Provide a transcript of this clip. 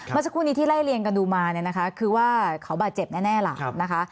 เมื่อสักครู่นี้ที่ไล่เรียนกันดูมาคือว่าเขาบาดเจ็บแน่หลัง